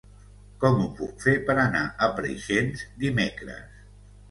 Com ho puc fer per anar a Preixens dimecres?